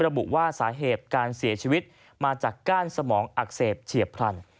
ระบุว่าสาเหตุการเสียชีวิตมาจากก้านสมองอักเสบเฉียบพลัน